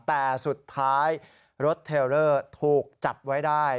แต่สุดท้ายรถเทลเลอร์ถูกจับไว้ได้